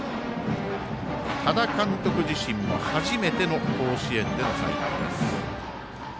多田監督自身も初めての甲子園での采配です。